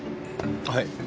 はい。